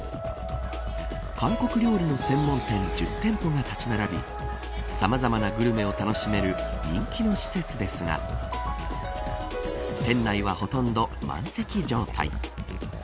韓国料理の専門店１０店舗が立ち並びさまざまなグルメを楽しめる人気の施設ですが店内はほとんど満席状態。